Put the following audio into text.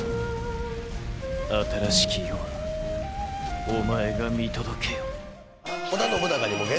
新しき世はお前が見届けよ。